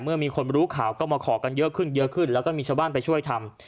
เมื่อมีคนรู้ข่าวก็มาขอกันเยอะขึ้นเยอะขึ้นแล้วก็มีชาวบ้านไปช่วยทำ